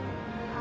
あ。